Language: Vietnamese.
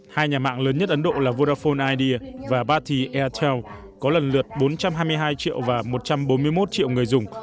hai nhà mạng lớn nhất ấn độ là vodafone idea và bati airtel có lần lượt bốn trăm hai mươi hai triệu và một trăm bốn mươi một triệu người dùng